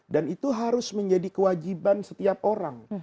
itu harus menjadi kewajiban setiap orang